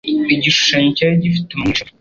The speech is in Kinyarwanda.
Igishushanyo cyari gifite umwijima.